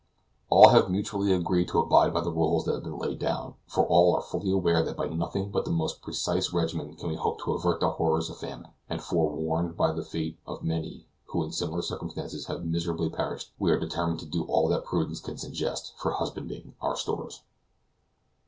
All have mutually agreed to abide by the rules that have been laid down, for all are fully aware that by nothing but the most precise regimen can we hope to avert the horrors of famine, and forewarned by the fate of many who in similar circumstances have miserably perished, we are determined to do all that prudence can suggest for husbanding our stores.